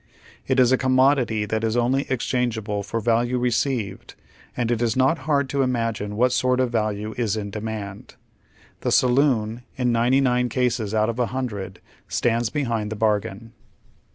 It is a commo dity tliat is only exchangeable "for value received," and it is not liard to imagine what sort of value is in demand. The saloon, in ninety nine cases out of a hundred, stands behind the bargain.